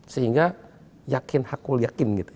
sehingga yakin hakul yakin